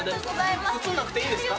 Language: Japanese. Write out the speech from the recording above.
写んなくていいんですか？